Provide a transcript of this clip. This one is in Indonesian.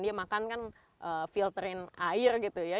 dia makan kan filterin air gitu ya